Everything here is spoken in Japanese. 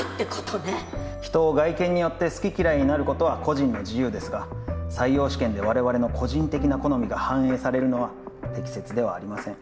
人を外見によって好き嫌いになることは個人の自由ですが採用試験で我々の個人的な好みが反映されるのは適切ではありません。